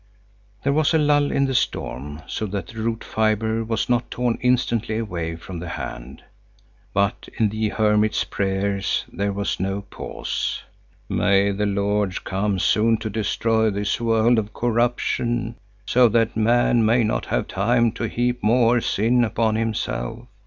There was a lull in the storm, so that the root fibre was not torn instantly away from the hand; but in the hermit's prayers there was no pause: "May the Lord come soon to destroy this world of corruption, so that man may not have time to heap more sin upon himself!